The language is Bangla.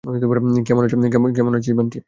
কেমন আছিস, বান্টি?